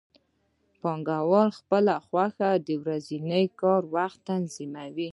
پانګوال په خپله خوښه د ورځني کار وخت تنظیموي